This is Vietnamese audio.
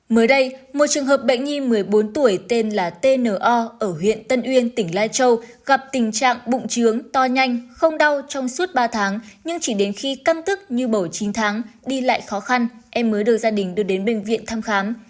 mới đây một trường hợp bệnh nhi một mươi bốn tuổi tên là tno ở huyện tân uyên tỉnh lai châu gặp tình trạng bụng trướng to nhanh không đau trong suốt ba tháng nhưng chỉ đến khi căm tức như bầu chín tháng đi lại khó khăn em mới được gia đình đưa đến bệnh viện thăm khám